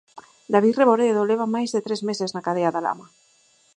David Reboredo leva máis de tres meses na cadea da Lama.